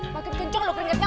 makin kenceng lo keringatnya